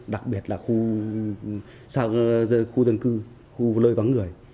đặc biệt là khu dân cư khu lơi vắng người